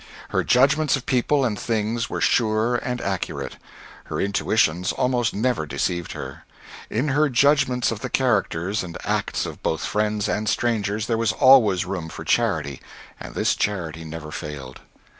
Her judgments of people and things were sure and accurate. Her intuitions almost never deceived her. In her judgments of the characters and acts of both friends and strangers, there was always room for charity, and this charity never failed.